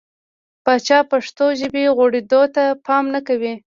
پاچا پښتو ژبې غوړېدو ته پام نه کوي .